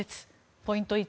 ポイント１。